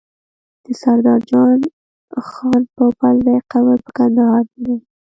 د سردار جان خان پوپلزی قبر په کندهار کی دی